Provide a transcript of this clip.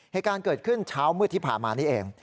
เหตุการณ์เกิดขึ้นเช้ามืดที่ผ่านมานี่เอง